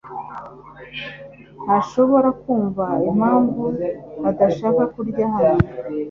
Ndashobora kumva impamvu udashaka kurya hano